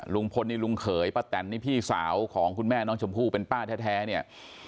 ลุงพลนี่ลุงเขยป้าแตนนี่พี่สาวของคุณแม่น้องชมพู่เป็นป้าแท้เนี่ย